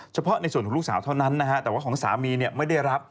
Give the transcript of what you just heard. เฉพาะในส่วนของลูกสาวเท่านั้นนะฮะแต่ว่าของสามีเนี่ยไม่ได้รับ